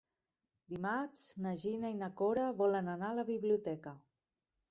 Dimarts na Gina i na Cora volen anar a la biblioteca.